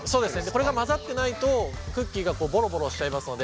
これが混ざってないとクッキーがぼろぼろしちゃいますので。